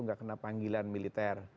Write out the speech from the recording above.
tidak kena panggilan militer